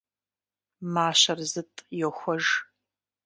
Мащэр зытӀ йохуэж.